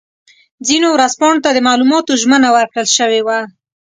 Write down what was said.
ځینو ورځپاڼو ته د معلوماتو ژمنه ورکړل شوې وه.